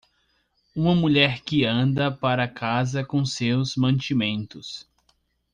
Uma mulher que anda para casa com seus mantimentos.